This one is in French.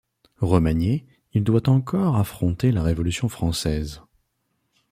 Remanié, il doit encore affronter la Révolution française.